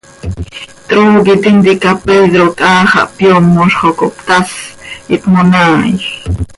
Trooqui tintica Pedro quih haa xah hpyoomoz xo cohptás, ihpmonaaaij.